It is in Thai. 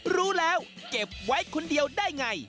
รู้แล้วเก็บไว้คนเดียวได้ไง